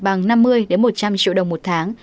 bằng năm mươi một trăm linh triệu đồng một tháng